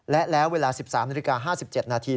และแล้วเวลา๑๓นาฬิกา๕๗นาที